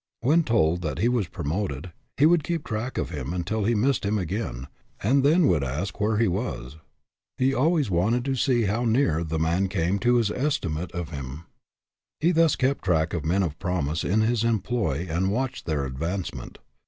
When told that he was promoted, he would keep track of him until he missed him again, and then would ask where he was. He always wanted to see how near the man came to his estimate of him. He thus kept track of men of promise in his employ and watched their advancement.